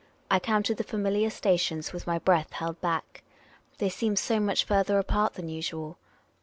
I counted the familiar stations with my breath held back. They seemed so much farther apart than usual.